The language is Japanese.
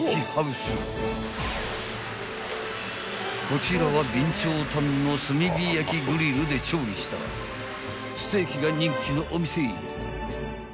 ［こちらは備長炭の炭火焼きグリルで調理したステーキが人気のお店］